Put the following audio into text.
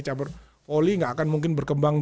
cabur volley gak akan mungkin berkembang